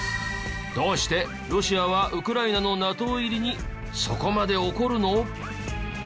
どうしてロシアはウクライナのＮＡＴＯ入りにそこまで怒るの？